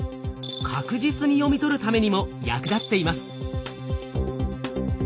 確実に読み取るためにも役立っています。